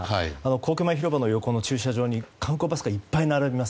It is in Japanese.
皇居前広場の駐車場に観光バスがいっぱい並びます。